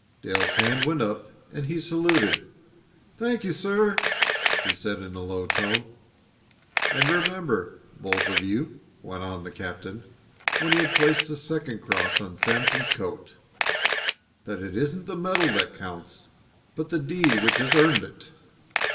Dale's hand went up, and he saluted. "Thank you, sir," he said in a low tone. "And remember, both of you," went on the captain, when he had placed the second cross on Sanson's coat, "that it isn't the medal that counts, but the deed which has earned it."